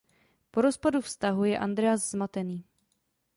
Po rozpadu vztahu je Andreas zmatený.